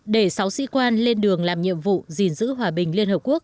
để sáu sĩ quan lên đường làm nhiệm vụ gìn giữ hòa bình liên hợp quốc